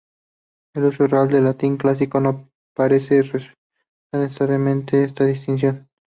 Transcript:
El uso real del latín clásico no parece respetar necesariamente esta distinción.